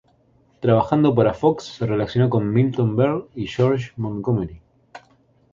Trabajando para Fox se relacionó con Milton Berle y George Montgomery.